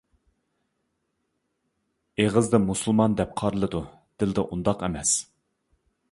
ئېغىزدا مۇسۇلمان دەپ قارىلىدۇ دىلدا ئۇنداق ئەمەس.